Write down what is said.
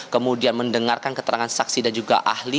kemudian mendengarkan keterangan saksi dan juga ahli